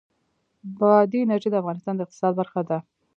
بادي انرژي د افغانستان د اقتصاد برخه ده.